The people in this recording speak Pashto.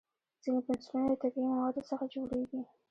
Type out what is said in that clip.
ځینې پنسلونه د طبیعي موادو څخه جوړېږي.